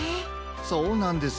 そうなんですよ。